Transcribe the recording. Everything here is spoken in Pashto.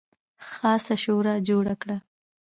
خاصه شورا جوړه کړه.